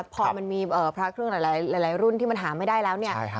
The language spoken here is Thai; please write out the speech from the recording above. พอมันมีพระเครื่องหลายรุ่นที่มันหาไม่ได้แล้วเนี่ย